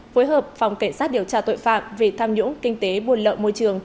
phối hợp phòng kiểm soát điều tra tội phạm về tham nhũng kinh tế buôn lợi môi trường